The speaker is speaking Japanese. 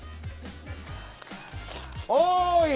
おい！